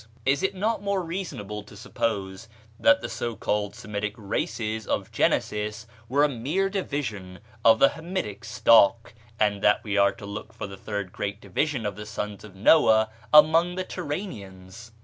Is it not more reasonable to suppose that the so called Semitic races of Genesis were a mere division of the Hamitic stock, and that we are to look for the third great division of the sons of Noah among the Turanians?